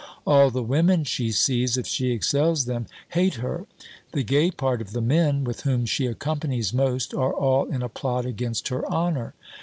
All the women she sees, if she excels them, hate her: the gay part of the men, with whom she accompanies most, are all in a plot against her honour.